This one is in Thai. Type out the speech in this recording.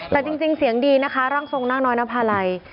แต่จริงเสียงดีนะคะร่างทรงนางน้อยนภาลัย